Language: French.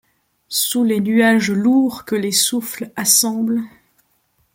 Sous les nuages lourds que les souffles assemblent